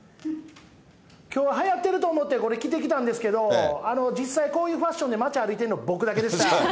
きょうははやってると思って、これ着てきたんですけど、実際、こういうファッションで街歩いてんの、僕だけでした。